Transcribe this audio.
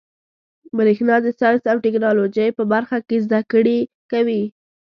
برېښنا د ساینس او ټيکنالوجۍ په برخه کي زده کړي کوي.